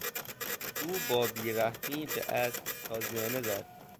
او با بیرحمی به اسب تازیانه زد.